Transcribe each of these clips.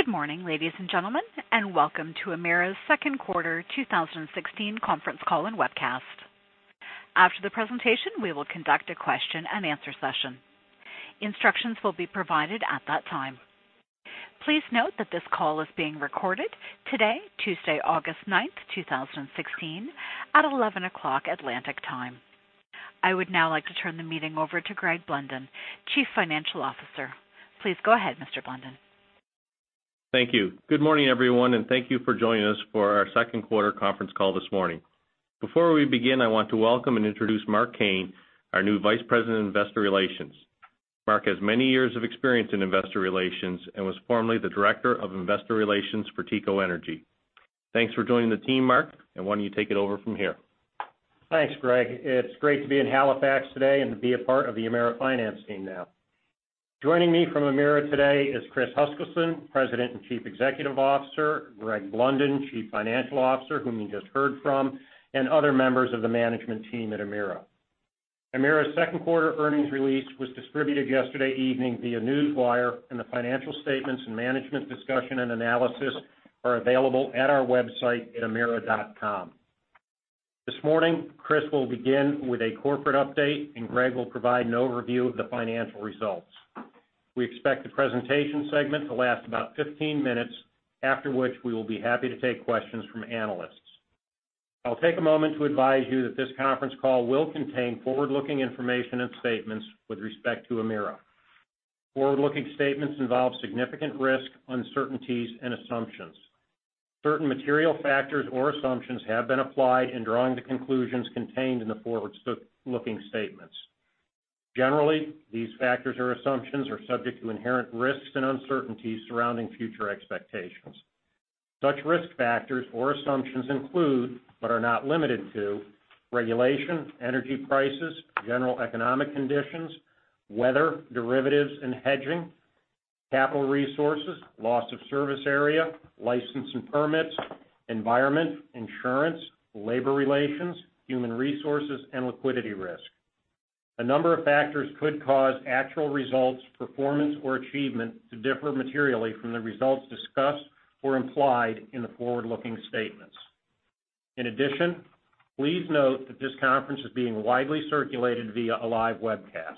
Good morning, ladies and gentlemen. Welcome to Emera's second quarter 2016 conference call and webcast. After the presentation, we will conduct a question and answer session. Instructions will be provided at that time. Please note that this call is being recorded today, Tuesday, August 9th, 2016, at 11:00 A.M. Atlantic time. I would now like to turn the meeting over to Greg Blunden, Chief Financial Officer. Please go ahead, Mr. Blunden. Thank you. Good morning, everyone. Thank you for joining us for our second quarter conference call this morning. Before we begin, I want to welcome and introduce Mark Kane, our new Vice President, Investor Relations. Mark has many years of experience in Investor Relations and was formerly the Director of Investor Relations for TECO Energy. Thanks for joining the team, Mark. Why don't you take it over from here? Thanks, Greg. It's great to be in Halifax today and to be a part of the Emera Finance team now. Joining me from Emera today is Chris Huskilson, President and Chief Executive Officer, Greg Blunden, Chief Financial Officer, whom you just heard from. Other members of the management team at Emera. Emera's second quarter earnings release was distributed yesterday evening via Newswire. The financial statements and management discussion and analysis are available at our website at emera.com. This morning, Chris will begin with a corporate update. Greg will provide an overview of the financial results. We expect the presentation segment to last about 15 minutes, after which we will be happy to take questions from analysts. I'll take a moment to advise you that this conference call will contain forward-looking information and statements with respect to Emera. Forward-looking statements involve significant risk, uncertainties, and assumptions. Certain material factors or assumptions have been applied in drawing the conclusions contained in the forward-looking statements. Generally, these factors or assumptions are subject to inherent risks and uncertainties surrounding future expectations. Such risk factors or assumptions include, but are not limited to, regulation, energy prices, general economic conditions, weather, derivatives and hedging, capital resources, loss of service area, license and permits, environment, insurance, labor relations, human resources, and liquidity risk. A number of factors could cause actual results, performance, or achievement to differ materially from the results discussed or implied in the forward-looking statements. In addition, please note that this conference is being widely circulated via a live webcast.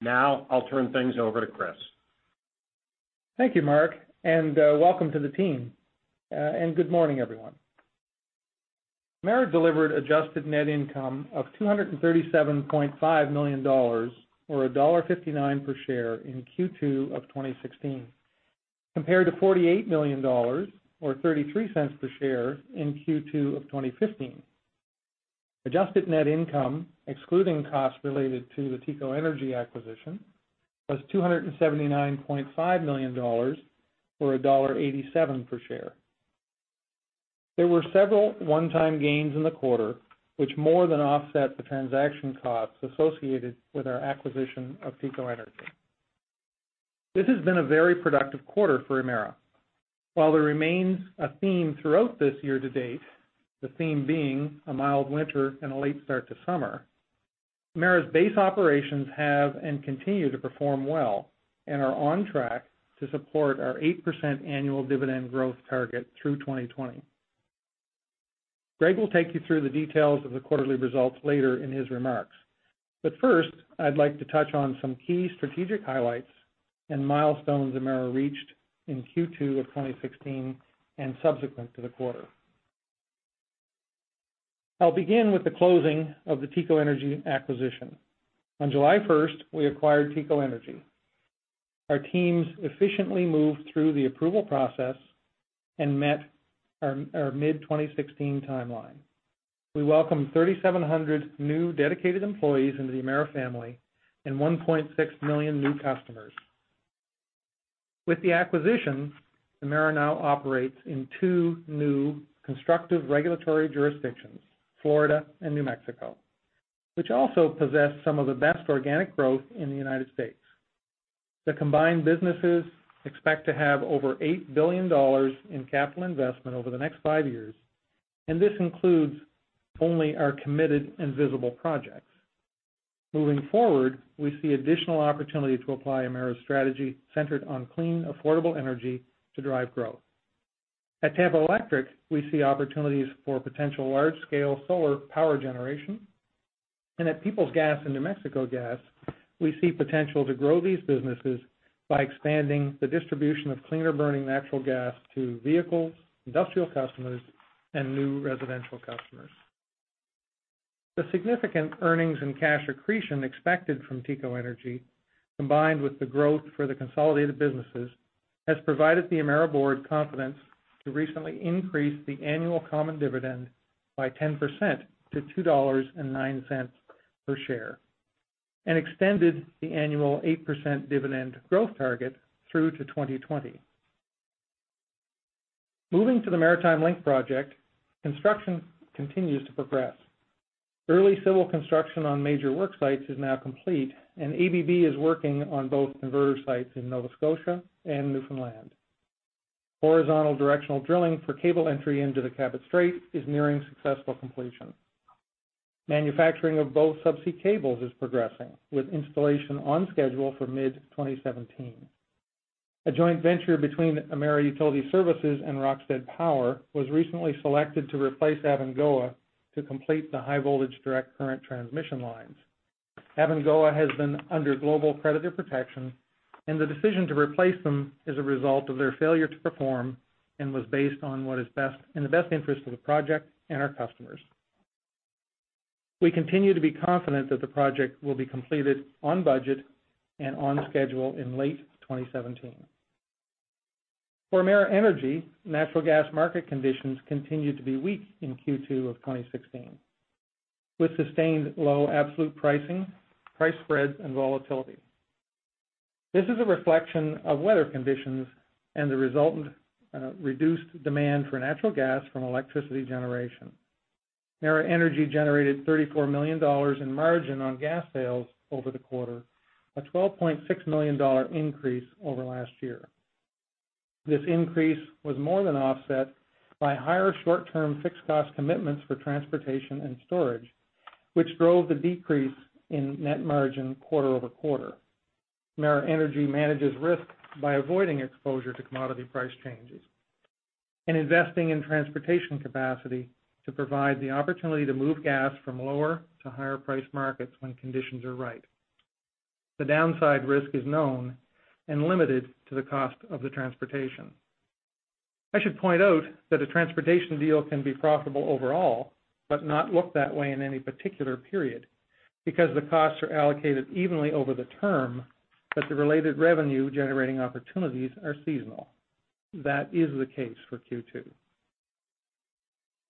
Now, I'll turn things over to Chris. Thank you, Mark, and welcome to the team. Good morning, everyone. Emera delivered adjusted net income of 237.5 million dollars, or dollar 1.59 per share in Q2 of 2016, compared to 48 million dollars, or 0.33 per share in Q2 of 2015. Adjusted net income, excluding costs related to the TECO Energy acquisition, was 279.5 million dollars, or dollar 1.87 per share. There were several one-time gains in the quarter, which more than offset the transaction costs associated with our acquisition of TECO Energy. This has been a very productive quarter for Emera. While there remains a theme throughout this year to date, the theme being a mild winter and a late start to summer, Emera's base operations have and continue to perform well and are on track to support our 8% annual dividend growth target through 2020. Greg will take you through the details of the quarterly results later in his remarks. First, I'd like to touch on some key strategic highlights and milestones Emera reached in Q2 of 2016 and subsequent to the quarter. I'll begin with the closing of the TECO Energy acquisition. On July 1st, we acquired TECO Energy. Our teams efficiently moved through the approval process and met our mid-2016 timeline. We welcomed 3,700 new dedicated employees into the Emera family and 1.6 million new customers. With the acquisition, Emera now operates in two new constructive regulatory jurisdictions, Florida and New Mexico, which also possess some of the best organic growth in the U.S. The combined businesses expect to have over 8 billion dollars in capital investment over the next five years, this includes only our committed investable projects. Moving forward, we see additional opportunity to apply Emera's strategy centered on clean, affordable energy to drive growth. At Tampa Electric, we see opportunities for potential large-scale solar power generation, at Peoples Gas and New Mexico Gas, we see potential to grow these businesses by expanding the distribution of cleaner-burning natural gas to vehicles, industrial customers, and new residential customers. The significant earnings and cash accretion expected from TECO Energy, combined with the growth for the consolidated businesses, has provided the Emera board confidence to recently increase the annual common dividend by 10% to 2.09 dollars per share and extended the annual 8% dividend growth target through to 2020. Moving to the Maritime Link project, construction continues to progress. Early civil construction on major work sites is now complete, ABB is working on both converter sites in Nova Scotia and Newfoundland. Horizontal directional drilling for cable entry into the Cabot Strait is nearing successful completion. Manufacturing of both subsea cables is progressing, with installation on schedule for mid-2017. A joint venture between Emera Utility Services and Rokstad Power was recently selected to replace Abengoa to complete the high voltage direct current transmission lines. Abengoa has been under global creditor protection, the decision to replace them is a result of their failure to perform and was based on what is in the best interest of the project and our customers. We continue to be confident that the project will be completed on budget and on schedule in late 2017. For Emera Energy, natural gas market conditions continued to be weak in Q2 of 2016, with sustained low absolute pricing, price spreads, and volatility. This is a reflection of weather conditions and the resultant reduced demand for natural gas from electricity generation. Emera Energy generated 34 million dollars in margin on gas sales over the quarter, a 12.6 million dollar increase over last year. This increase was more than offset by higher short-term fixed cost commitments for transportation and storage, which drove the decrease in net margin quarter-over-quarter. Emera Energy manages risk by avoiding exposure to commodity price changes and investing in transportation capacity to provide the opportunity to move gas from lower to higher price markets when conditions are right. The downside risk is known and limited to the cost of the transportation. I should point out that a transportation deal can be profitable overall but not look that way in any particular period, because the costs are allocated evenly over the term, but the related revenue-generating opportunities are seasonal. That is the case for Q2.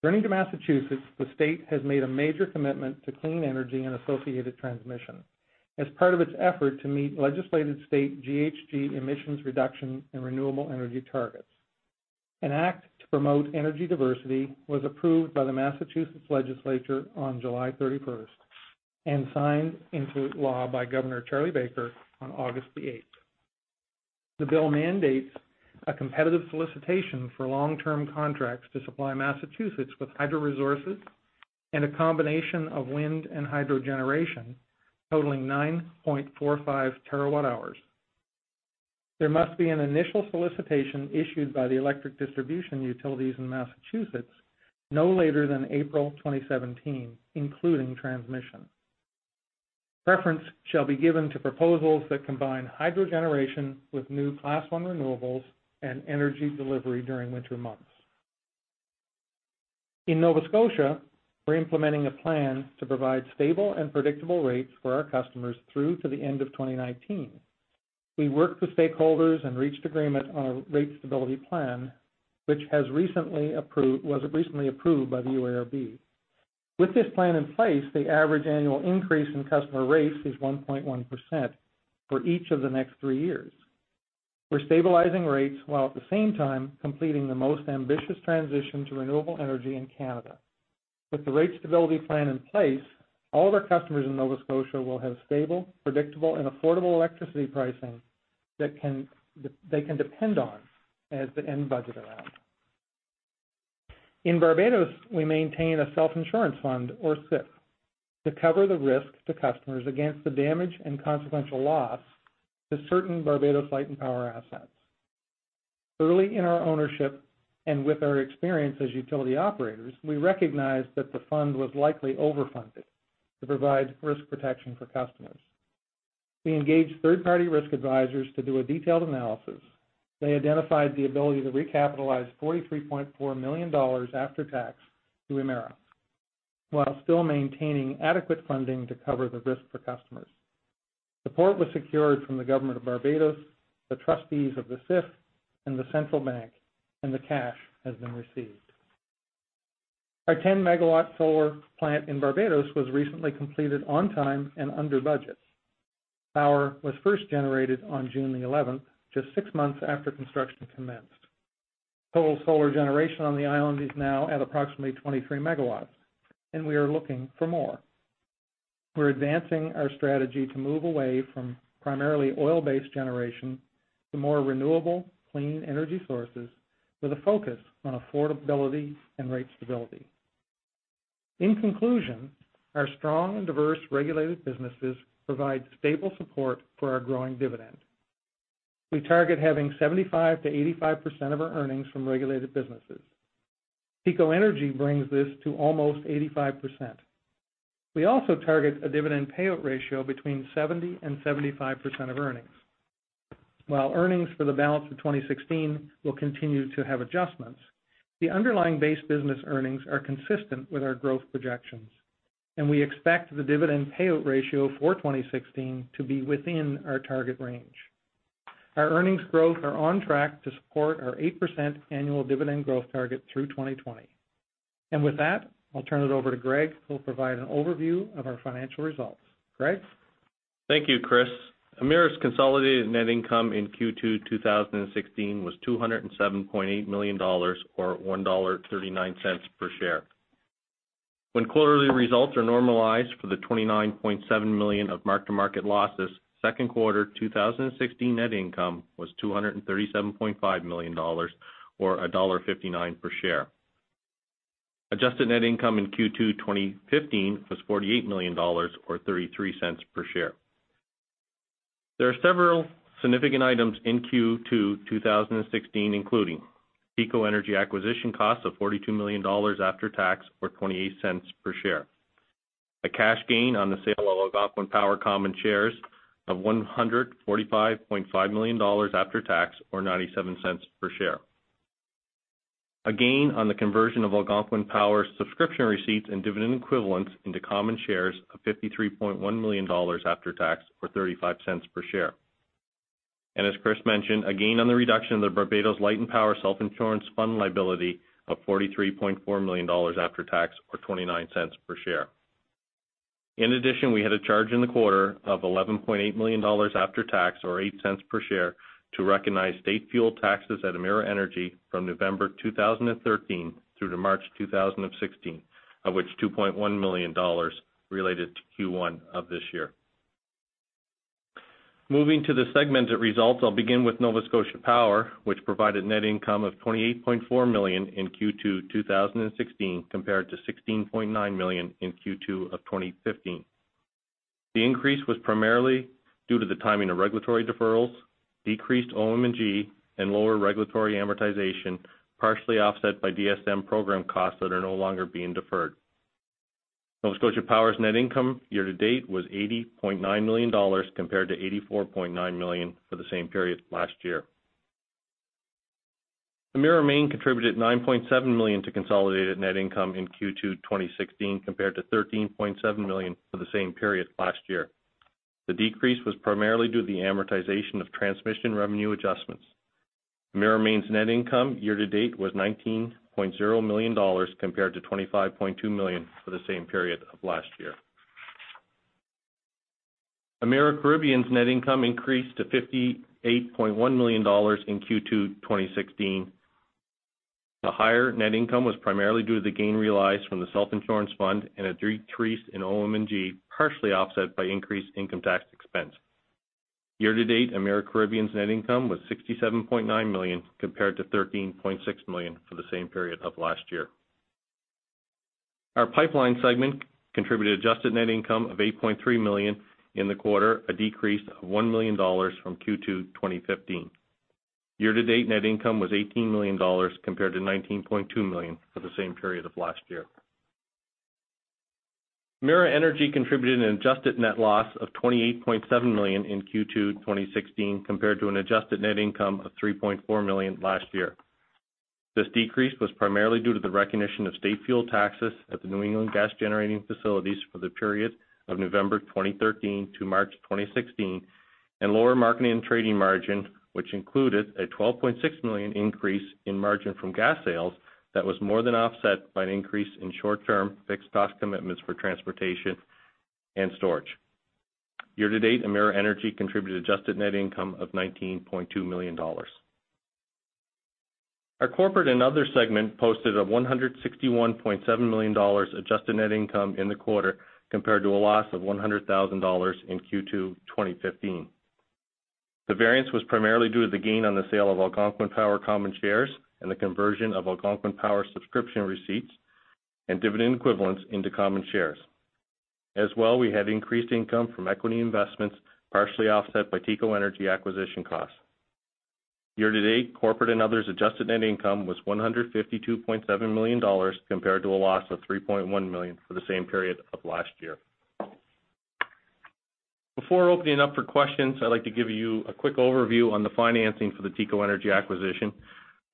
Turning to Massachusetts, the state has made a major commitment to clean energy and associated transmission as part of its effort to meet legislated state GHG emissions reduction and renewable energy targets. An Act to Promote Energy Diversity was approved by the Massachusetts legislature on July 31st and signed into law by Governor Charlie Baker on August the 8th. The bill mandates a competitive solicitation for long-term contracts to supply Massachusetts with hydro resources and a combination of wind and hydro generation totaling 9.45 terawatt-hours. There must be an initial solicitation issued by the electric distribution utilities in Massachusetts no later than April 2017, including transmission. Preference shall be given to proposals that combine hydro generation with new Class I renewables and energy delivery during winter months. In Nova Scotia, we're implementing a plan to provide stable and predictable rates for our customers through to the end of 2019. We worked with stakeholders and reached agreement on a rate stability plan, which was recently approved by the UARB. With this plan in place, the average annual increase in customer rates is 1.1% for each of the next three years. We're stabilizing rates, while at the same time completing the most ambitious transition to renewable energy in Canada. With the rate stability plan in place, all of our customers in Nova Scotia will have stable, predictable, and affordable electricity pricing they can depend on and budget around. In Barbados, we maintain a self-insurance fund, or SIF, to cover the risk to customers against the damage and consequential loss to certain Barbados Light & Power assets. Early in our ownership, and with our experience as utility operators, we recognized that the fund was likely overfunded to provide risk protection for customers. We engaged third-party risk advisors to do a detailed analysis. They identified the ability to recapitalize 43.4 million dollars after tax to Emera, while still maintaining adequate funding to cover the risk for customers. Support was secured from the government of Barbados, the trustees of the SIF, and the Central Bank. The cash has been received. Our 10-megawatt solar plant in Barbados was recently completed on time and under budget. Power was first generated on June the 11th, just six months after construction commenced. Total solar generation on the island is now at approximately 23 megawatts. We are looking for more. We're advancing our strategy to move away from primarily oil-based generation to more renewable, clean energy sources with a focus on affordability and rate stability. In conclusion, our strong and diverse regulated businesses provide stable support for our growing dividend. We target having 75%-85% of our earnings from regulated businesses. TECO Energy brings this to almost 85%. We also target a dividend payout ratio between 70%-75% of earnings. While earnings for the balance of 2016 will continue to have adjustments, the underlying base business earnings are consistent with our growth projections, we expect the dividend payout ratio for 2016 to be within our target range. Our earnings growth are on track to support our 8% annual dividend growth target through 2020. With that, I'll turn it over to Greg, who will provide an overview of our financial results. Greg? Thank you, Chris. Emera's consolidated net income in Q2 2016 was 207.8 million dollars, or 1.39 dollar per share. When quarterly results are normalized for the 29.7 million of mark-to-market losses, second quarter 2016 net income was 237.5 million dollars, or dollar 1.59 per share. Adjusted net income in Q2 2015 was 48 million dollars, or 0.33 per share. There are several significant items in Q2 2016, including TECO Energy acquisition costs of 42 million dollars after tax, or 0.28 per share. A cash gain on the sale of Algonquin Power common shares of 145.5 million dollars after tax, or 0.97 per share. A gain on the conversion of Algonquin Power subscription receipts and dividend equivalents into common shares of 53.1 million dollars after tax, or 0.35 per share. As Chris mentioned, a gain on the reduction of the Barbados Light & Power self-insurance fund liability of 43.4 million dollars after tax, or 0.29 per share. In addition, we had a charge in the quarter of 11.8 million dollars after tax, or 0.08 per share, to recognize state fuel taxes at Emera Energy from November 2013 through to March 2016, of which 2.1 million dollars related to Q1 of this year. Moving to the segmented results, I'll begin with Nova Scotia Power, which provided net income of 28.4 million in Q2 2016 compared to 16.9 million in Q2 of 2015. The increase was primarily due to the timing of regulatory deferrals, decreased OM&G, and lower regulatory amortization, partially offset by DSM program costs that are no longer being deferred. Nova Scotia Power's net income year to date was 80.9 million dollars compared to 84.9 million for the same period last year. Emera Maine contributed 9.7 million to consolidated net income in Q2 2016 compared to 13.7 million for the same period last year. The decrease was primarily due to the amortization of transmission revenue adjustments. Emera Maine's net income year to date was 19.0 million dollars compared to 25.2 million for the same period of last year. Emera Caribbean's net income increased to 58.1 million dollars in Q2 2016. The higher net income was primarily due to the gain realized from the self-insurance fund and a decrease in OM&G, partially offset by increased income tax expense. Year to date, Emera Caribbean's net income was 67.9 million compared to 13.6 million for the same period of last year. Our pipeline segment contributed adjusted net income of 8.3 million in the quarter, a decrease of one million dollars from Q2 2015. Year to date net income was 18 million dollars compared to 19.2 million for the same period of last year. Emera Energy contributed an adjusted net loss of 28.7 million in Q2 2016 compared to an adjusted net income of 3.4 million last year. This decrease was primarily due to the recognition of state fuel taxes at the New England gas generating facilities for the period of November 2013 to March 2016, and lower marketing and trading margin, which included a 12.6 million increase in margin from gas sales that was more than offset by an increase in short-term fixed-cost commitments for transportation and storage. Year to date, Emera Energy contributed adjusted net income of 19.2 million dollars. Our corporate and other segment posted a 161.7 million dollars adjusted net income in the quarter compared to a loss of 100,000 dollars in Q2 2015. The variance was primarily due to the gain on the sale of Algonquin Power common shares and the conversion of Algonquin Power subscription receipts and dividend equivalents into common shares. As well, we had increased income from equity investments, partially offset by TECO Energy acquisition costs. Year to date, corporate and others adjusted net income was 152.7 million dollars compared to a loss of 3.1 million for the same period of last year. Before opening up for questions, I'd like to give you a quick overview on the financing for the TECO Energy acquisition.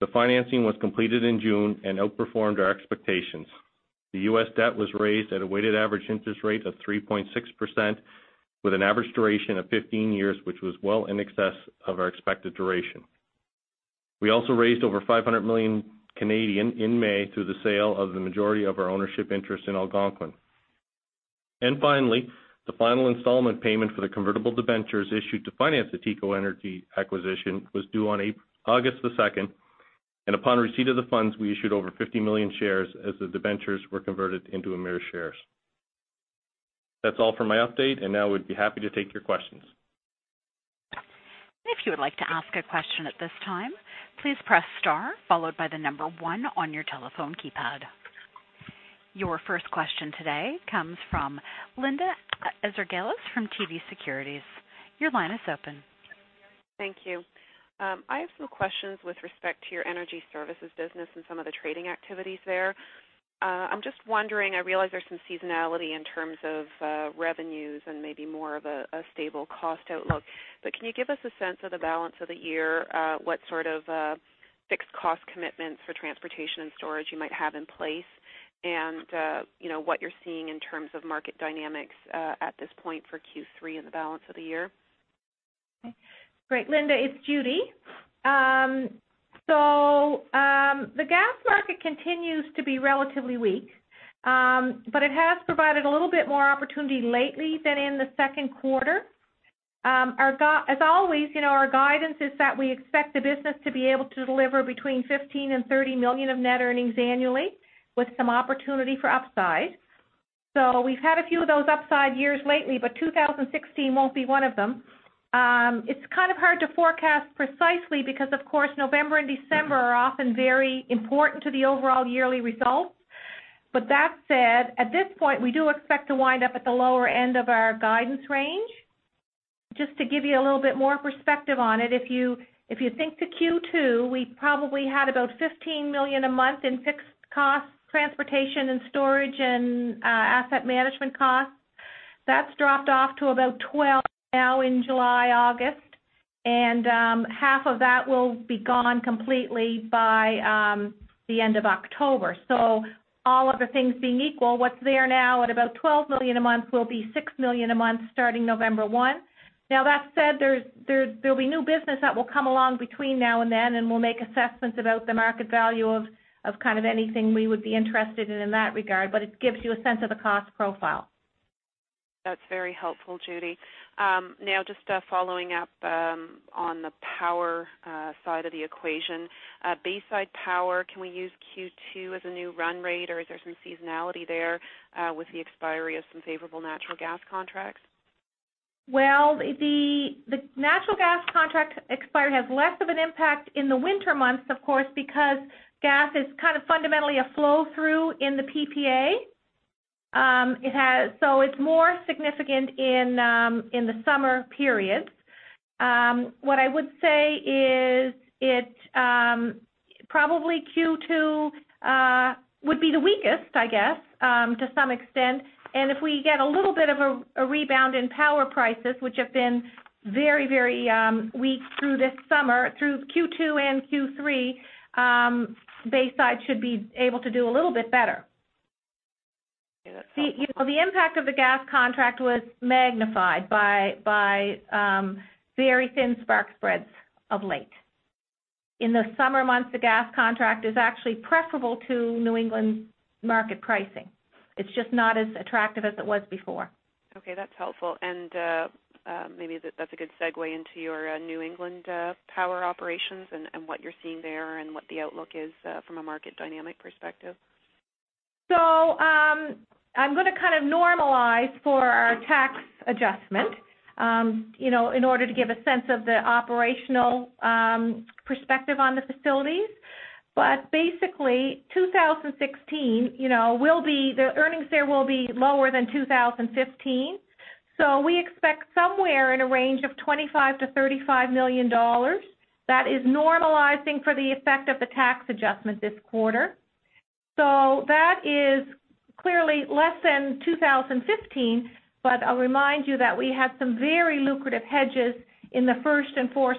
The financing was completed in June and outperformed our expectations. The US debt was raised at a weighted average interest rate of 3.6% with an average duration of 15 years, which was well in excess of our expected duration. We also raised over 500 million Canadian in May through the sale of the majority of our ownership interest in Algonquin. Finally, the final installment payment for the convertible debentures issued to finance the TECO Energy acquisition was due on August the 2nd, and upon receipt of the funds, we issued over 50 million shares as the debentures were converted into Emera shares. That's all for my update, and now we'd be happy to take your questions. If you would like to ask a question at this time, please press star followed by the number one on your telephone keypad. Your first question today comes from Linda Ezergailis from TD Securities. Your line is open. Thank you. I have some questions with respect to your energy services business and some of the trading activities there. I'm just wondering, I realize there's some seasonality in terms of revenues and maybe more of a stable cost outlook, but can you give us a sense of the balance of the year, what sort of fixed cost commitments for transportation and storage you might have in place and what you're seeing in terms of market dynamics at this point for Q3 and the balance of the year? Great, Linda. It's Judy. The gas market continues to be relatively weak, but it has provided a little bit more opportunity lately than in the second quarter. As always, our guidance is that we expect the business to be able to deliver between 15 million and 30 million of net earnings annually with some opportunity for upside. We've had a few of those upside years lately, but 2016 won't be one of them. It's kind of hard to forecast precisely because, of course, November and December are often very important to the overall yearly results. That said, at this point, we do expect to wind up at the lower end of our guidance range. Just to give you a little bit more perspective on it, if you think to Q2, we probably had about 15 million a month in fixed costs, transportation and storage, and asset management costs. That's dropped off to about 12 million now in July, August, and half of that will be gone completely by the end of October. All other things being equal, what's there now at about 12 million a month will be 6 million a month starting November 1. That said, there'll be new business that will come along between now and then, and we'll make assessments about the market value of anything we would be interested in in that regard. It gives you a sense of the cost profile. That's very helpful, Judy. Just following up on the power side of the equation. Bayside Power, can we use Q2 as a new run rate, or is there some seasonality there with the expiry of some favorable natural gas contracts? The natural gas contract expiry has less of an impact in the winter months, of course, because gas is kind of fundamentally a flow-through in the PPA. It's more significant in the summer periods. I would say is probably Q2 would be the weakest, I guess, to some extent. If we get a little bit of a rebound in power prices, which have been very weak through this summer, through Q2 and Q3, Bayside should be able to do a little bit better. Yeah. The impact of the gas contract was magnified by very thin spark spreads of late. In the summer months, the gas contract is actually preferable to New England market pricing. It's just not as attractive as it was before. Okay, that's helpful. Maybe that's a good segue into your New England power operations and what you're seeing there and what the outlook is from a market dynamic perspective. I'm going to kind of normalize for our tax adjustment in order to give a sense of the operational perspective on the facilities. Basically, 2016, the earnings there will be lower than 2015. We expect somewhere in a range of 25 million to 35 million dollars. That is normalizing for the effect of the tax adjustment this quarter. That is clearly less than 2015, I'll remind you that we had some very lucrative hedges in the first and fourth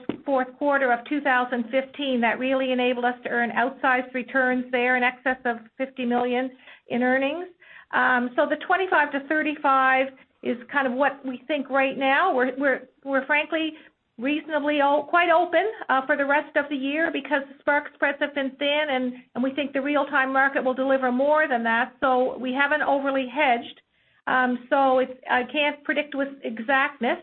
quarter of 2015 that really enabled us to earn outsized returns there in excess of 50 million in earnings. The 25 to 35 is kind of what we think right now. We're frankly reasonably quite open for the rest of the year because the spark spreads have been thin, and we think the real-time market will deliver more than that. We haven't overly hedged. I can't predict with exactness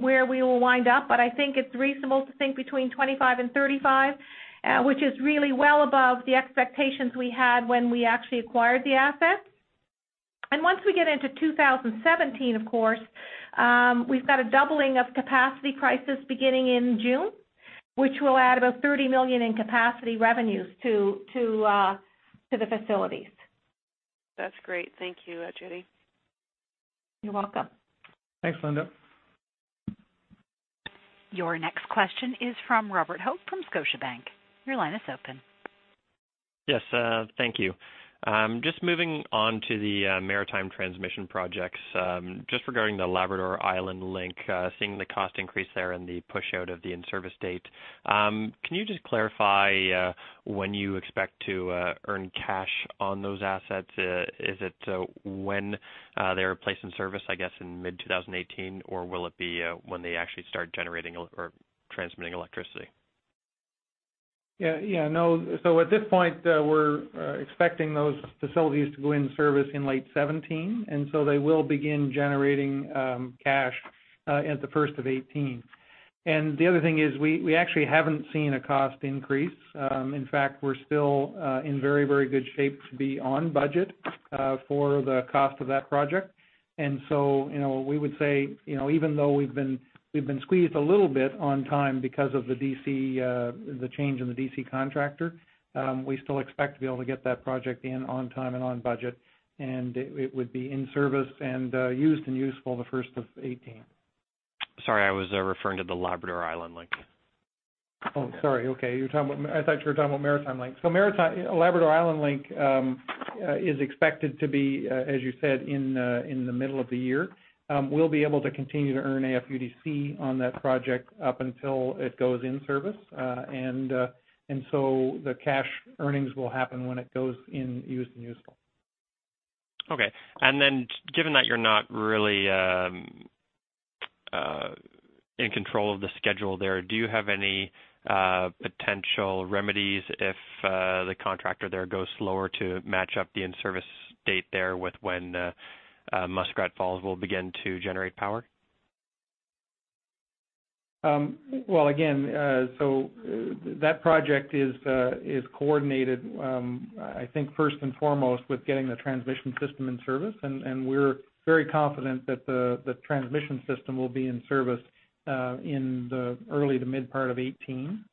where we will wind up, but I think it's reasonable to think between 25 million and 35 million, which is really well above the expectations we had when we actually acquired the assets. Once we get into 2017, of course, we've got a doubling of capacity prices beginning in June, which will add about 30 million in capacity revenues to the facilities. That's great. Thank you, Judy. You're welcome. Thanks, Linda. Your next question is from Robert Hope from Scotiabank. Your line is open. Yes. Thank you. Just moving on to the Maritime transmission projects, just regarding the Labrador Island Link, seeing the cost increase there and the push out of the in-service date. Can you just clarify when you expect to earn cash on those assets? Is it when they are placed in service, I guess, in mid-2018, or will it be when they actually start transmitting electricity? Yeah. At this point, we're expecting those facilities to go in service in late 2017, they will begin generating cash at the first of 2018. The other thing is we actually haven't seen a cost increase. In fact, we're still in very good shape to be on budget for the cost of that project. We would say, even though we've been squeezed a little bit on time because of the change in the DC contractor, we still expect to be able to get that project in on time and on budget, and it would be in service and used and useful the first of 2018. Sorry, I was referring to the Labrador Island Link. Oh, sorry. Okay. I thought you were talking about Maritime Link. Labrador Island Link is expected to be, as you said, in the middle of the year. We will be able to continue to earn AFUDC on that project up until it goes in service. The cash earnings will happen when it goes in used and useful. Okay. Given that you are not really in control of the schedule there, do you have any potential remedies if the contractor there goes slower to match up the in-service date there with when Muskrat Falls will begin to generate power? Well, again, that project is coordinated, I think, first and foremost, with getting the transmission system in service, and we are very confident that the transmission system will be in service in the early to mid part of 2018.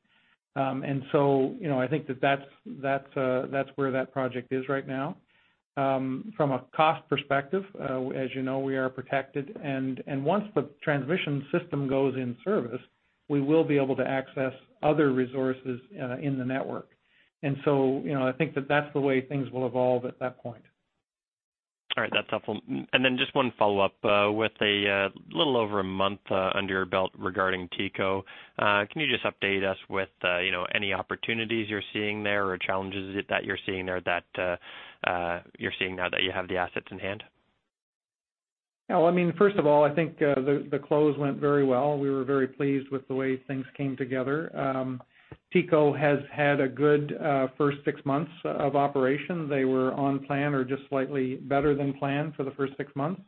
I think that is where that project is right now. From a cost perspective, as you know, we are protected. Once the transmission system goes in service, we will be able to access other resources in the network. I think that is the way things will evolve at that point. All right. That is helpful. Just one follow-up. With a little over a month under your belt regarding TECO, can you just update us with any opportunities you are seeing there or challenges that you are seeing there that you are seeing now that you have the assets in hand? Well, first of all, I think the close went very well. We were very pleased with the way things came together. TECO has had a good first six months of operation. They were on plan or just slightly better than plan for the first six months.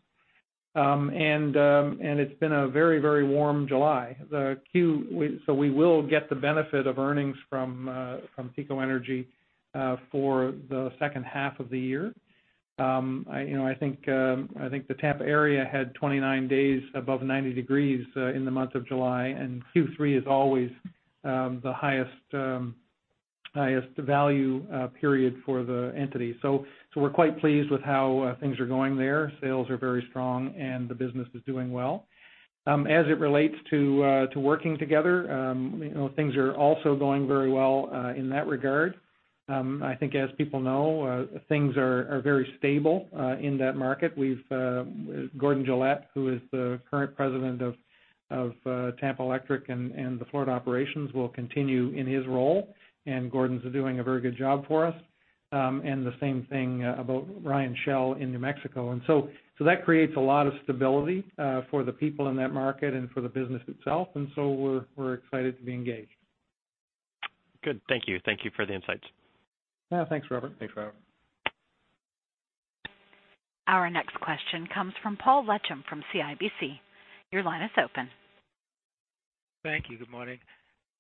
It's been a very warm July. We will get the benefit of earnings from TECO Energy for the second half of the year. I think the Tampa area had 29 days above 90 degrees in the month of July, and Q3 is always the highest value period for the entity. We're quite pleased with how things are going there. Sales are very strong, and the business is doing well. As it relates to working together, things are also going very well in that regard. I think as people know, things are very stable in that market. Gordon Gillette, who is the current President of Tampa Electric and the Florida Operations, will continue in his role, Gordon's doing a very good job for us. The same thing about Ryan Shell in New Mexico. That creates a lot of stability for the people in that market and for the business itself. We're excited to be engaged. Good. Thank you. Thank you for the insights. Yeah, thanks, Robert. Thanks, Robert. Our next question comes from Paul Lechem from CIBC. Your line is open. Thank you. Good morning.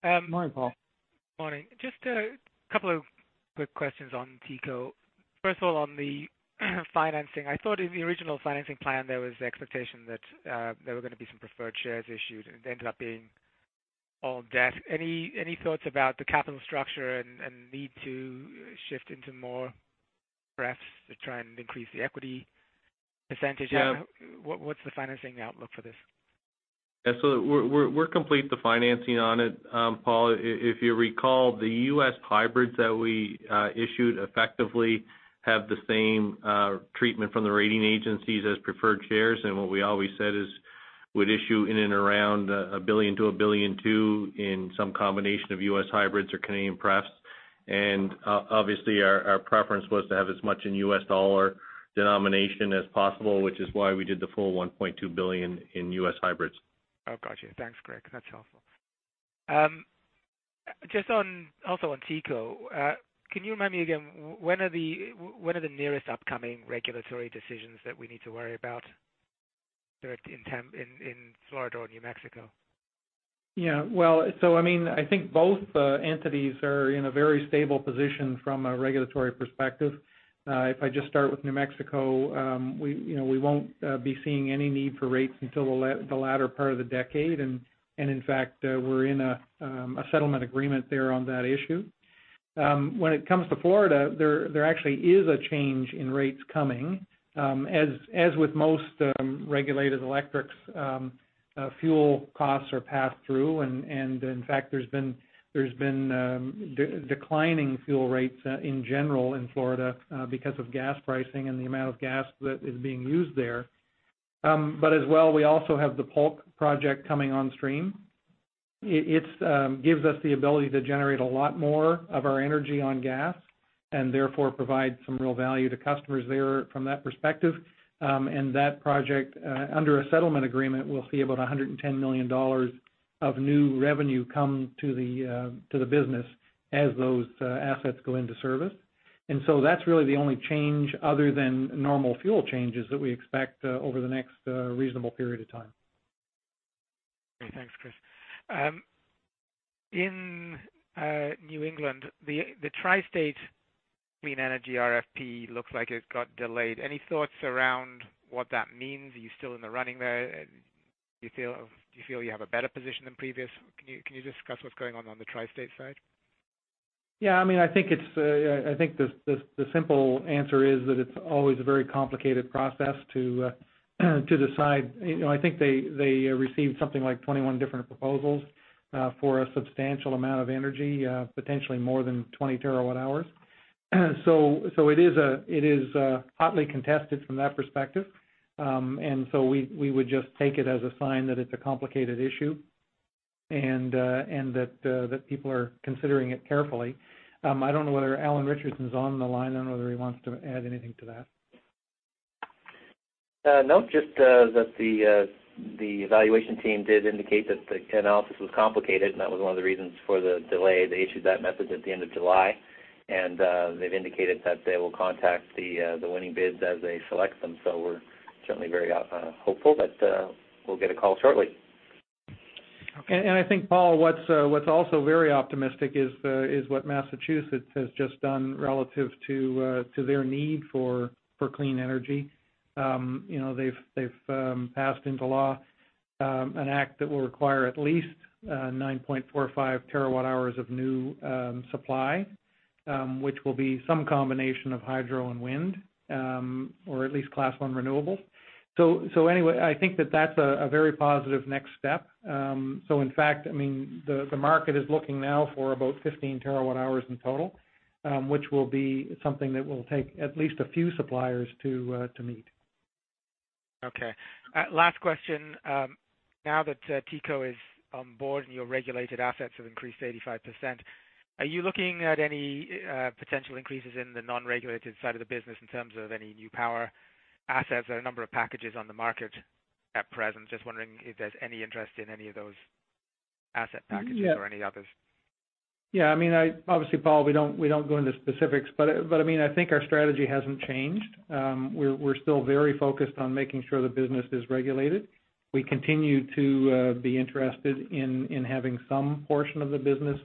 Good morning, Paul. Morning. Just a couple of quick questions on TECO. First of all, on the financing, I thought in the original financing plan, there was the expectation that there were going to be some preferred shares issued, and it ended up being all debt. Any thoughts about the capital structure and need to shift into more pref to try and increase the equity percentage? Yeah. What's the financing outlook for this? We're complete the financing on it, Paul. If you recall, the U.S. hybrids that we issued effectively have the same treatment from the rating agencies as preferred shares. What we always said is we'd issue in and around $1 billion to $1.2 billion in some combination of U.S. hybrids or Canadian prefs. Obviously, our preference was to have as much in U.S. dollar denomination as possible, which is why we did the full $1.2 billion in U.S. hybrids. Oh, got you. Thanks, Greg. That's helpful. Also on TECO, can you remind me again, when are the nearest upcoming regulatory decisions that we need to worry about in Florida or New Mexico? I think both entities are in a very stable position from a regulatory perspective. If I just start with New Mexico, we won't be seeing any need for rates until the latter part of the decade. In fact, we're in a settlement agreement there on that issue. When it comes to Florida, there actually is a change in rates coming. As with most regulated electrics, fuel costs are passed through, and in fact, there's been declining fuel rates in general in Florida because of gas pricing and the amount of gas that is being used there. As well, we also have the Polk project coming on stream. It gives us the ability to generate a lot more of our energy on gas and therefore provide some real value to customers there from that perspective. That project, under a settlement agreement, we'll see about 110 million dollars of new revenue come to the business as those assets go into service. That's really the only change other than normal fuel changes that we expect over the next reasonable period of time. Okay, thanks, Chris. In New England, the Tri-State Clean Energy RFP looks like it got delayed. Any thoughts around what that means? Are you still in the running there? Do you feel you have a better position than previous? Can you discuss what's going on the Tri-State side? I think the simple answer is that it's always a very complicated process to decide. I think they received something like 21 different proposals for a substantial amount of energy, potentially more than 20 terawatt-hours. It is hotly contested from that perspective. We would just take it as a sign that it's a complicated issue and that people are considering it carefully. I don't know whether Alan Richardson's on the line. I don't know whether he wants to add anything to that. Just that the evaluation team did indicate that the analysis was complicated. That was one of the reasons for the delay. They issued that message at the end of July. They've indicated that they will contact the winning bids as they select them. We're certainly very hopeful that we'll get a call shortly. I think, Paul, what's also very optimistic is what Massachusetts has just done relative to their need for clean energy. They've passed into law an act that will require at least 9.45 terawatt-hours of new supply, which will be some combination of hydro and wind, or at least Class I renewables. Anyway, I think that that's a very positive next step. In fact, the market is looking now for about 15 terawatt-hours in total, which will be something that will take at least a few suppliers to meet. Okay. Last question. Now that TECO is on board and your regulated assets have increased to 85%, are you looking at any potential increases in the non-regulated side of the business in terms of any new power assets? There are a number of packages on the market at present. Just wondering if there's any interest in any of those asset packages- Yeah or any others. Obviously, Paul, we don't go into specifics. I think our strategy hasn't changed. We're still very focused on making sure the business is regulated. We continue to be interested in having some portion of the business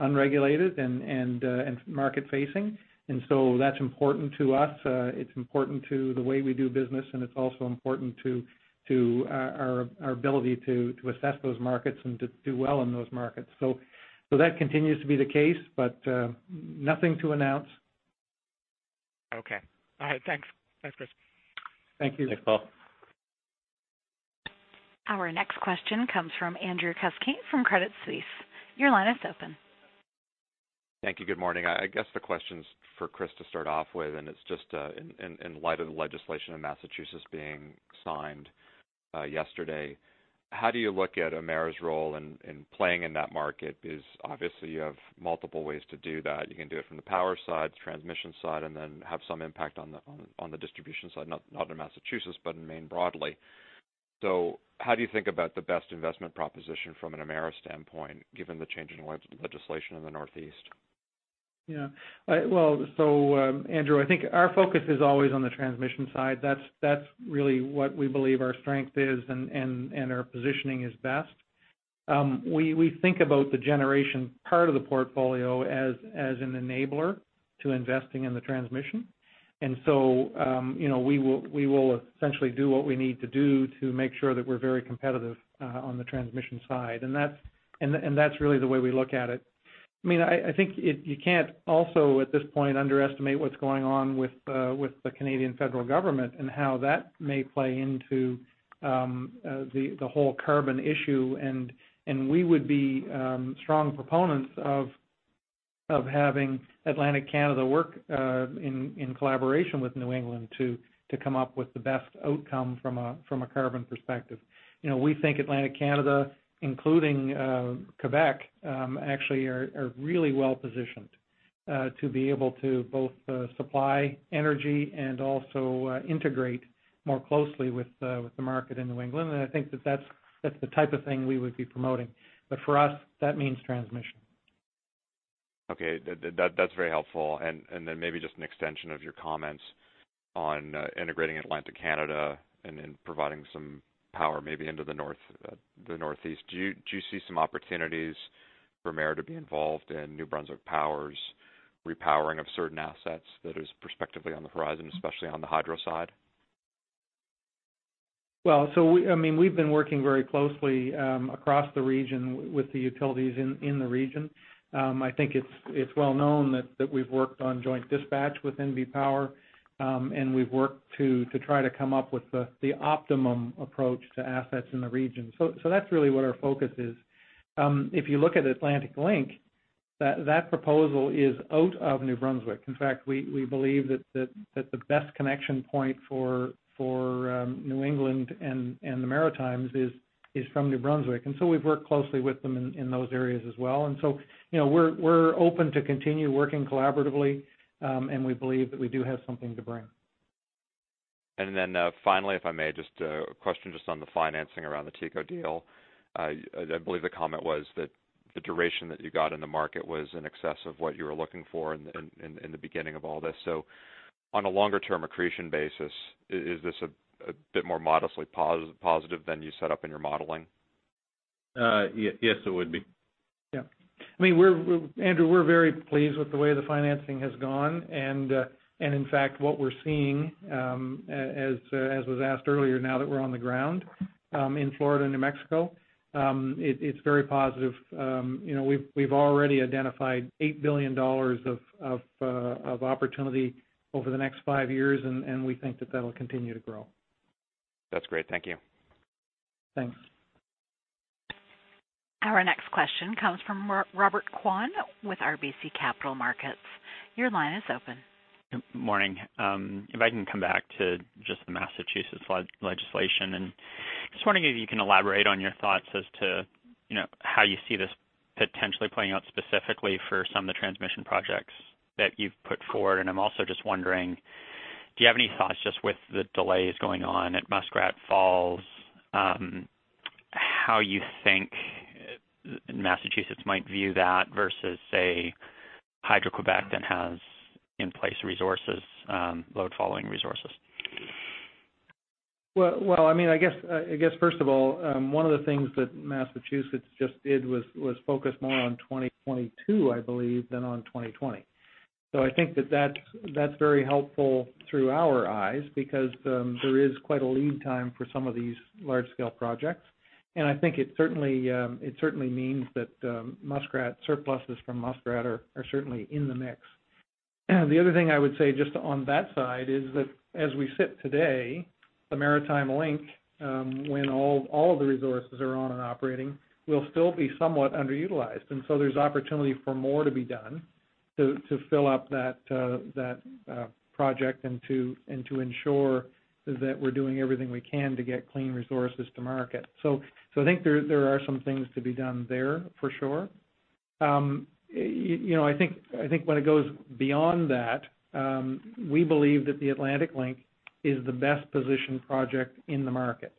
unregulated and market-facing. That's important to us. It's important to the way we do business, and it's also important to our ability to assess those markets and to do well in those markets. That continues to be the case. Nothing to announce. Okay. All right. Thanks. Thanks, Chris. Thank you. Thanks, Paul. Our next question comes from Andrew Kuske from Credit Suisse. Your line is open. Thank you. Good morning. I guess the question's for Chris to start off with, and it's just in light of the legislation in Massachusetts being signed yesterday. How do you look at Emera's role in playing in that market? Because obviously you have multiple ways to do that. You can do it from the power side, the transmission side, and then have some impact on the distribution side, not in Massachusetts, but in Maine broadly. How do you think about the best investment proposition from an Emera standpoint, given the change in legislation in the Northeast? Yeah. Well, Andrew, I think our focus is always on the transmission side. That's really what we believe our strength is and our positioning is best. We think about the generation part of the portfolio as an enabler to investing in the transmission. We will essentially do what we need to do to make sure that we're very competitive on the transmission side. That's really the way we look at it. I think you can't also, at this point, underestimate what's going on with the Canadian federal government and how that may play into the whole carbon issue, and we would be strong proponents of having Atlantic Canada work in collaboration with New England to come up with the best outcome from a carbon perspective. We think Atlantic Canada, including Quebec, actually are really well-positioned to be able to both supply energy and also integrate more closely with the market in New England. I think that that's the type of thing we would be promoting. For us, that means transmission. Okay. That's very helpful. Maybe just an extension of your comments on integrating Atlantic Canada and then providing some power maybe into the Northeast. Do you see some opportunities for Emera to be involved in NB Power's repowering of certain assets that is perspectively on the horizon, especially on the hydro side? Well, we've been working very closely across the region with the utilities in the region. I think it's well known that we've worked on joint dispatch with NB Power, we've worked to try to come up with the optimum approach to assets in the region. That's really what our focus is. If you look at Atlantic Link, that proposal is out of New Brunswick. In fact, we believe that the best connection point for New England and the Maritimes is from New Brunswick. We've worked closely with them in those areas as well. We're open to continue working collaboratively, and we believe that we do have something to bring. Finally, if I may, just a question just on the financing around the TECO deal. I believe the comment was that the duration that you got in the market was in excess of what you were looking for in the beginning of all this. On a longer-term accretion basis, is this a bit more modestly positive than you set up in your modeling? Yes, it would be. Yeah. Andrew, we're very pleased with the way the financing has gone. In fact, what we're seeing, as was asked earlier, now that we're on the ground in Florida and New Mexico, it's very positive. We've already identified 8 billion dollars of opportunity over the next five years. We think that that'll continue to grow. That's great. Thank you. Thanks. Our next question comes from Robert Kwan with RBC Capital Markets. Your line is open. Good morning. If I can come back to just the Massachusetts legislation and just wondering if you can elaborate on your thoughts as to how you see this potentially playing out specifically for some of the transmission projects that you've put forward. I'm also just wondering, do you have any thoughts just with the delays going on at Muskrat Falls, how you think Massachusetts might view that versus, say, Hydro-Québec that has in-place resources, load-following resources? Well, I guess, first of all, one of the things that Massachusetts just did was focus more on 2022, I believe, than on 2020. I think that that's very helpful through our eyes, because there is quite a lead time for some of these large-scale projects. I think it certainly means that surpluses from Muskrat are certainly in the mix. The other thing I would say, just on that side, is that as we sit today, the Maritime Link, when all of the resources are on and operating, will still be somewhat underutilized. There's opportunity for more to be done to fill up that project and to ensure that we're doing everything we can to get clean resources to market. I think there are some things to be done there for sure. I think when it goes beyond that, we believe that the Atlantic Link is the best-positioned project in the market.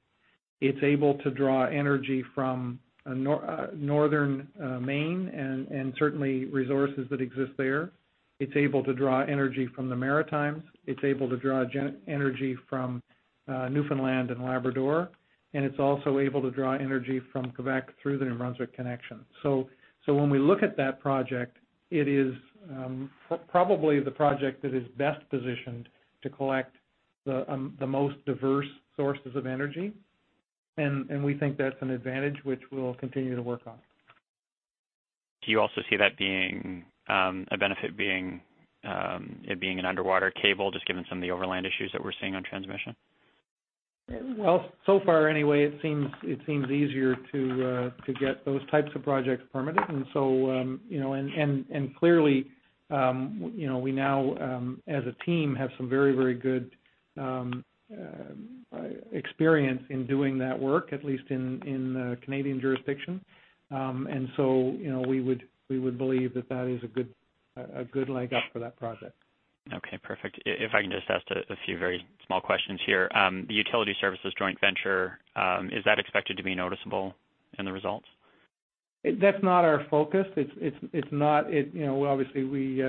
It's able to draw energy from Northern Maine and certainly resources that exist there. It's able to draw energy from the Maritimes. It's able to draw energy from Newfoundland and Labrador, and it's also able to draw energy from Quebec through the New Brunswick connection. When we look at that project, it is probably the project that is best positioned to collect the most diverse sources of energy, and we think that's an advantage which we'll continue to work on. Do you also see that being a benefit, it being an underwater cable, just given some of the overland issues that we're seeing on transmission? Well, so far anyway, it seems easier to get those types of projects permitted. Clearly, we now as a team have some very good experience in doing that work, at least in the Canadian jurisdiction. We would believe that that is a good leg up for that project. Okay, perfect. If I can just ask a few very small questions here. The utility services joint venture, is that expected to be noticeable in the results? That's not our focus. Obviously, we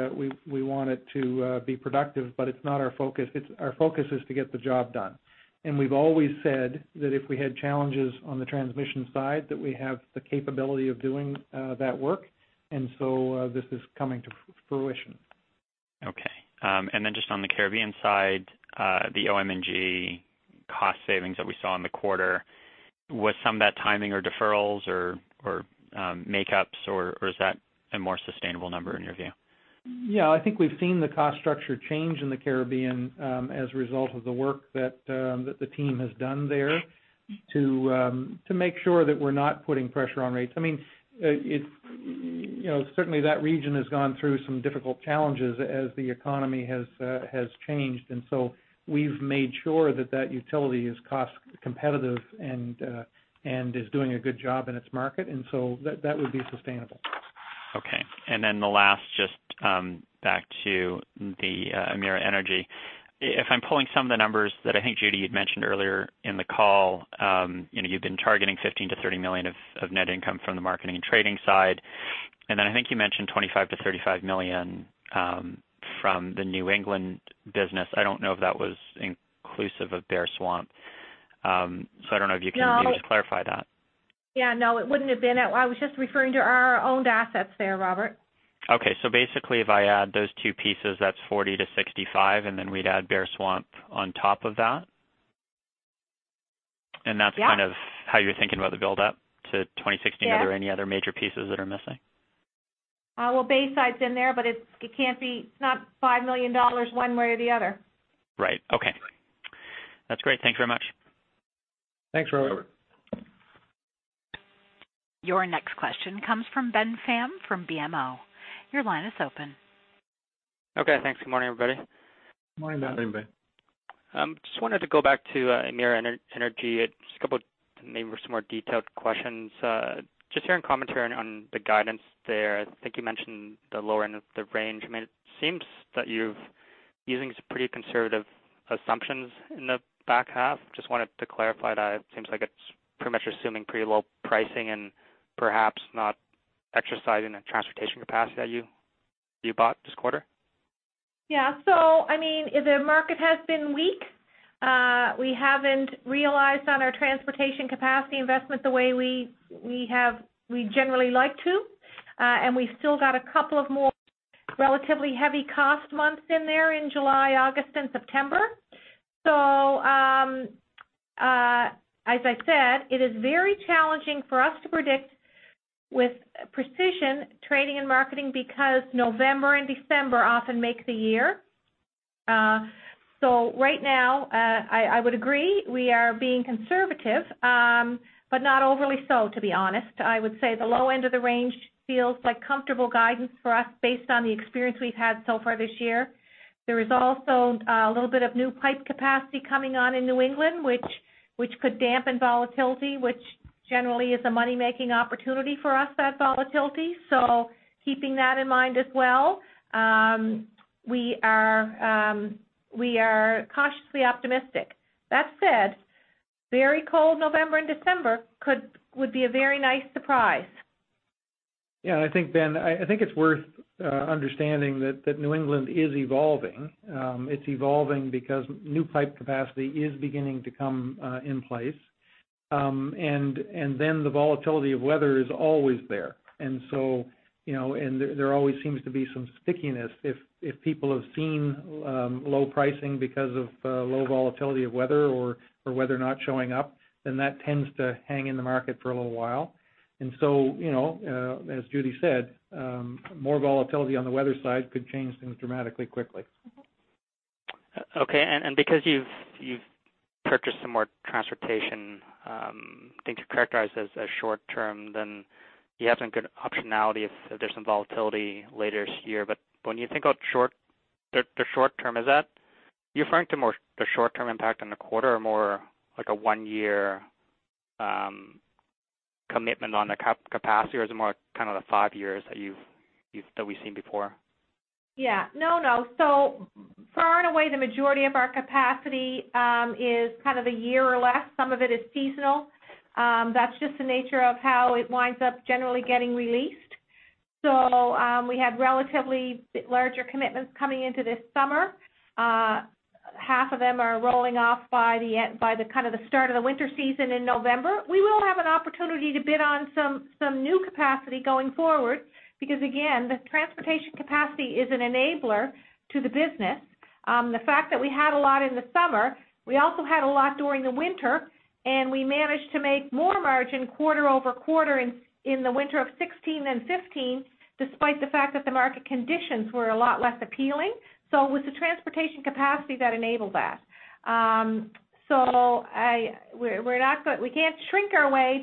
want it to be productive, but it's not our focus. Our focus is to get the job done. We've always said that if we had challenges on the transmission side, that we have the capability of doing that work. This is coming to fruition. Okay. Just on the Caribbean side, the OM&G cost savings that we saw in the quarter, was some of that timing or deferrals or makeups, or is that a more sustainable number in your view? Yeah, I think we've seen the cost structure change in the Caribbean as a result of the work that the team has done there to make sure that we're not putting pressure on rates. Certainly, that region has gone through some difficult challenges as the economy has changed, we've made sure that that utility is cost competitive and is doing a good job in its market, that would be sustainable. Okay. The last, just back to the Emera Energy. If I'm pulling some of the numbers that I think, Judy, you'd mentioned earlier in the call, you've been targeting 15 million-30 million of net income from the marketing and trading side. I think you mentioned 25 million-35 million from the New England business. I don't know if that was inclusive of Bear Swamp. I don't know if you can maybe just clarify that. Yeah, no, it wouldn't have been. I was just referring to our owned assets there, Robert. Okay, basically, if I add those two pieces, that's 40 million-65 million, we'd add Bear Swamp on top of that? Yeah. That's kind of how you're thinking about the buildup to 2016- Yes Are there any other major pieces that are missing? Well, Bayside's in there, but it's not 5 million dollars one way or the other. Right. Okay. That's great. Thanks very much. Thanks, Robert. Your next question comes from Ben Pham from BMO. Your line is open. Okay, thanks. Good morning, everybody. Morning, Ben. Morning, Ben. Just wanted to go back to Emera Energy, just a couple maybe more some more detailed questions. Just hearing commentary on the guidance there, I think you mentioned the lower end of the range. It seems that you're using some pretty conservative assumptions in the back half. Just wanted to clarify that. It seems like it's pretty much assuming pretty low pricing and perhaps not exercising the transportation capacity that you bought this quarter. Yeah. The market has been weak. We haven't realized on our transportation capacity investment the way we generally like to. We've still got a couple of more relatively heavy cost months in there in July, August, and September. As I said, it is very challenging for us to predict with precision, trading and marketing, because November and December often make the year. Right now, I would agree, we are being conservative, but not overly so, to be honest. I would say the low end of the range feels like comfortable guidance for us based on the experience we've had so far this year. There is also a little bit of new pipe capacity coming on in New England, which could dampen volatility, which generally is a money-making opportunity for us, that volatility. Keeping that in mind as well. We are cautiously optimistic. That said, very cold November and December would be a very nice surprise. Yeah. I think, Ben, it's worth understanding that New England is evolving. It's evolving because new pipe capacity is beginning to come in place. The volatility of weather is always there. There always seems to be some stickiness. If people have seen low pricing because of low volatility of weather or weather not showing up, then that tends to hang in the market for a little while. As Judy said, more volatility on the weather side could change things dramatically quickly. Okay. Because you've purchased some more transportation, I think you characterized as short-term, then you have some good optionality if there's some volatility later this year. When you think about the short-term, is that you're referring to more the short-term impact on the quarter or more like a one-year commitment on the capacity, or is it more kind of the five years that we've seen before? Yeah. No, no. Far and away, the majority of our capacity is kind of a year or less. Some of it is seasonal. That's just the nature of how it winds up generally getting released. We had relatively larger commitments coming into this summer. Half of them are rolling off by the start of the winter season in November. We will have an opportunity to bid on some new capacity going forward because, again, the transportation capacity is an enabler to the business. The fact that we had a lot in the summer, we also had a lot during the winter, and we managed to make more margin quarter-over-quarter in the winter of 2016 and 2015, despite the fact that the market conditions were a lot less appealing. It was the transportation capacity that enabled that. We can't shrink our way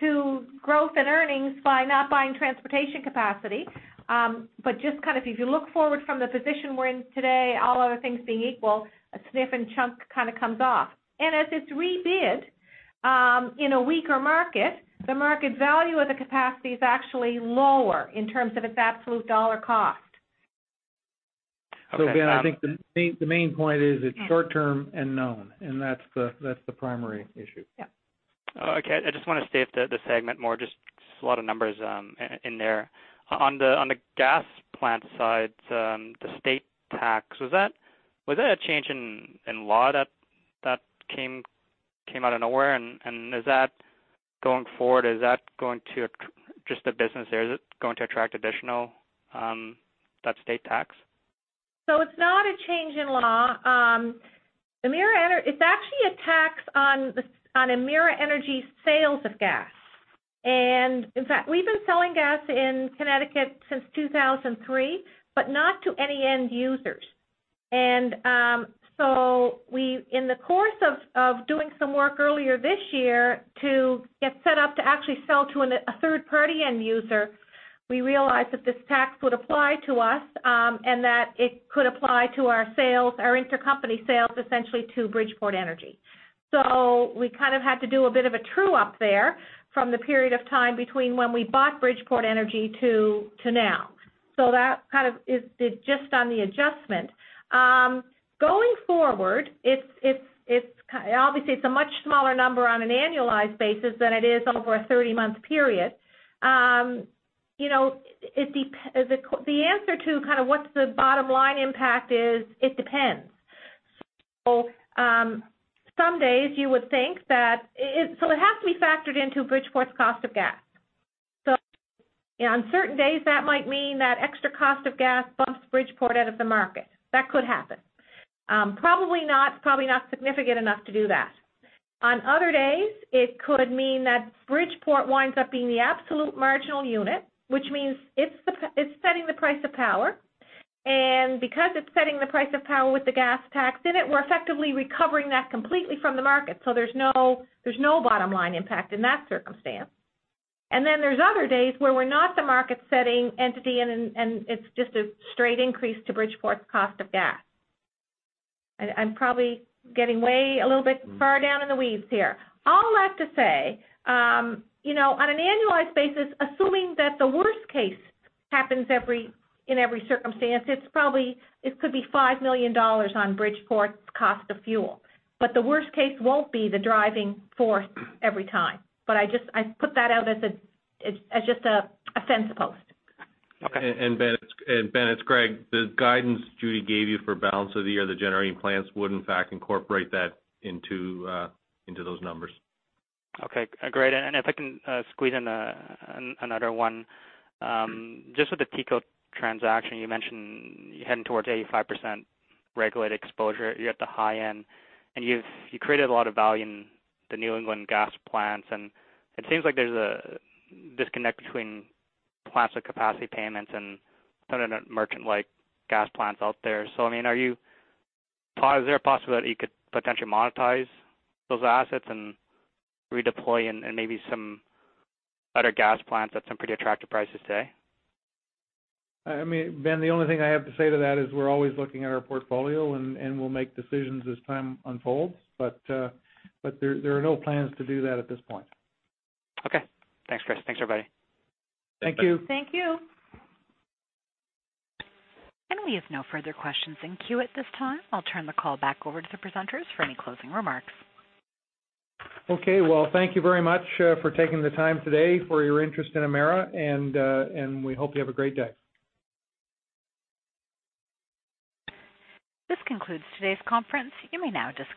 to growth and earnings by not buying transportation capacity. If you look forward from the position we're in today, all other things being equal, a significant chunk kind of comes off. As it's rebid in a weaker market, the market value of the capacity is actually lower in terms of its absolute CAD cost. Ben, I think the main point is it's short-term and known, and that's the primary issue. Yeah. Okay. I just want to stay with the segment more, just a lot of numbers in there. On the gas plant side, the state tax, was that a change in law that came out of nowhere? Going forward, is that going to just the business there? Is it going to attract additional, that state tax? It's not a change in law. It's actually a tax on Emera Energy's sales of gas. In fact, we've been selling gas in Connecticut since 2003, but not to any end users. In the course of doing some work earlier this year to get set up to actually sell to a third-party end user, we realized that this tax would apply to us, and that it could apply to our intercompany sales essentially to Bridgeport Energy. We kind of had to do a bit of a true-up there from the period of time between when we bought Bridgeport Energy to now. That kind of is just on the adjustment. Going forward, obviously, it's a much smaller number on an annualized basis than it is over a 30-month period. The answer to kind of what's the bottom line impact is, it depends. It has to be factored into Bridgeport's cost of gas. On certain days, that might mean that extra cost of gas bumps Bridgeport out of the market. That could happen. Probably not significant enough to do that. On other days, it could mean that Bridgeport winds up being the absolute marginal unit, which means it's setting the price of power. Because it's setting the price of power with the gas tax in it, we're effectively recovering that completely from the market. There's no bottom-line impact in that circumstance. There's other days where we're not the market-setting entity, and it's just a straight increase to Bridgeport's cost of gas. I'm probably getting way a little bit far down in the weeds here. All that to say, on an annualized basis, assuming that the worst case happens in every circumstance, it could be 5 million dollars on Bridgeport's cost of fuel. The worst case won't be the driving force every time. I put that out as just a fence post. Okay. Ben, it's Greg. The guidance Judy gave you for balance of the year, the generating plants would in fact incorporate that into those numbers. Okay. Great. If I can squeeze in another one. Just with the TECO transaction, you mentioned you're heading towards 85% regulated exposure. You're at the high end. You've created a lot of value in the New England gas plants. It seems like there's a disconnect between plants with capacity payments and merchant-like gas plants out there. Is there a possibility you could potentially monetize those assets and redeploy in maybe some other gas plants at some pretty attractive prices today? Ben, the only thing I have to say to that is we're always looking at our portfolio, we'll make decisions as time unfolds, there are no plans to do that at this point. Okay. Thanks, Chris. Thanks, everybody. Thank you. Thank you. We have no further questions in queue at this time. I'll turn the call back over to the presenters for any closing remarks. Okay. Well, thank you very much for taking the time today, for your interest in Emera, and we hope you have a great day. This concludes today's conference. You may now disconnect.